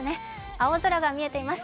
青空が見えています。